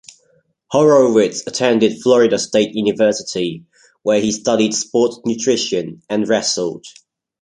Horowitz attended Florida State University, where he studied sports nutrition and wrestled.